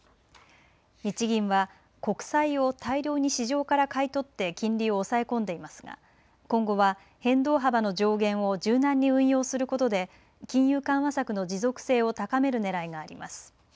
日銀は国債を大量に市場から買い取って金利を抑え込んでいますが今後は変動幅の上限を柔軟に運用することで金融緩和策の持続性を高めるねらいがあります。